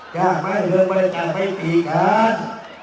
จากไม่เหลือมันจะได้ดีกัน